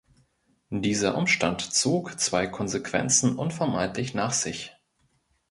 Dieser Umstand zog zwei Konsequenzen unvermeidlich nach sich.